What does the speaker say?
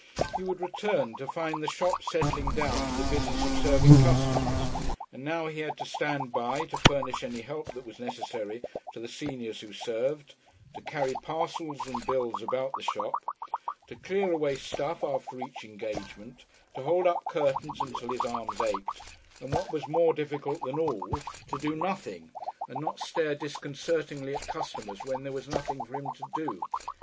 He would return to find the shop settling down to the business of serving customers. And now he had to stand by to furnish any help that was necessary to the seniors who served, to carry parcels and bills about the shop, to clear away "stuff" after each engagement, to hold up curtains until his arms ached, and what was more difficult than all, to do nothing, and not stare disconcertingly at customers when there was nothing for him to do.